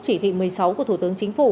chỉ thị một mươi sáu của thủ tướng chính phủ